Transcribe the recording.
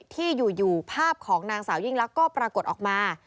ที่อยู่ภาพของนางสาวยิ่งลักษณ์ก็ปรากฏออกมา